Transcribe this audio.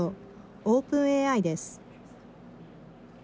オープンＡＩです。